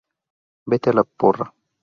Vete a la porra